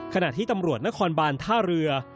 ขณะที่ตำรวจนครบานท่าเรือ